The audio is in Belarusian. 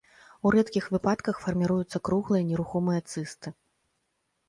У рэдкіх выпадках фарміруюцца круглыя нерухомыя цысты.